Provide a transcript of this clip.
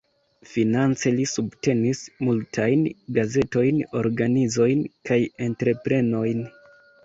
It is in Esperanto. Finance li subtenis multajn gazetojn, organizojn kaj entreprenojn.